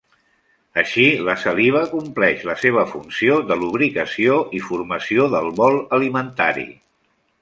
Així, la saliva, compleix la seva funció de lubricació i formació del bol alimentari.